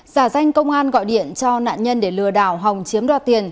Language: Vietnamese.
giả danh công an gọi điện cho nạn nhân để lừa đảo hòng chiếm đoạt tiền